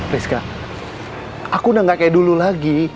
priska aku udah gak kayak dulu lagi